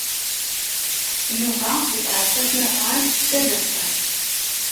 Yuba yesɛa tasnasɣalt d taberkant.